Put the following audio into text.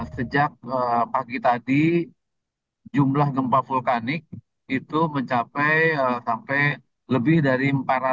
sejak pagi tadi jumlah gempa vulkanik itu mencapai sampai lebih dari empat ratus